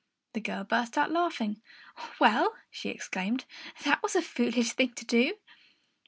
The girl burst out laughing. "Well," she exclaimed, "that was a foolish thing to do!"